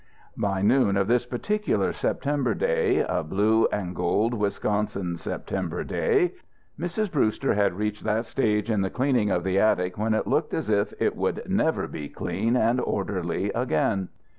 By noon of this particular September day a blue and gold Wisconsin September day Mrs. Brewster had reached that stage in the cleaning of the attic when it looked as if it would never be clean and orderly again.